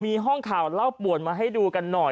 มีห้องข่าวเล่าป่วนมาให้ดูกันหน่อย